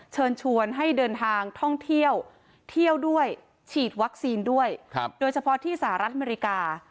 เชิญชวนให้เดินทางท่องเที่ยวเที่ยวด้วยฉีดวัคซีนด้วยโดยเฉพาะที่สหรัฐอเมริกา